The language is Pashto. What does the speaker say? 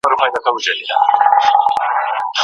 ارمان کاکا په خپله امسا ډډه وهلې وه.